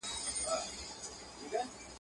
شمېریې ډېر دی تر همه واړو مرغانو.